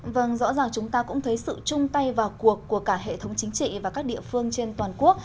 vâng rõ ràng chúng ta cũng thấy sự chung tay vào cuộc của cả hệ thống chính trị và các địa phương trên toàn quốc